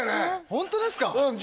ホントですか？